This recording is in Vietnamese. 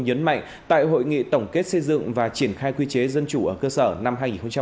nhấn mạnh tại hội nghị tổng kết xây dựng và triển khai quy chế dân chủ ở cơ sở năm hai nghìn một mươi chín